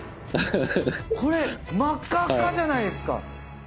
これ真っ赤っかじゃないですか！